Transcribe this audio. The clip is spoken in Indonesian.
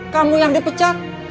kamu yang dipecat